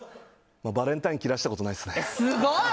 バレンタイン切らしたことないですね。